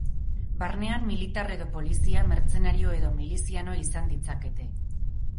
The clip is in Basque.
Barnean, militar edo polizia, mertzenario edo miliziano izan ditzakete.